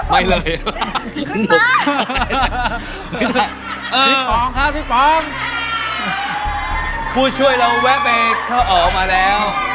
พี่ฟองค่ะพี่ฟองผู้ช่วยเราแวะไปเข้าออกมาแล้ว